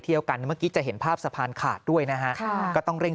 กันเมื่อกี้จะเห็นภาพสะพานขาดด้วยนะฮะก็ต้องเร่ง